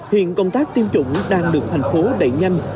hiện công tác tiêm chủng đang được thành phố đẩy nhanh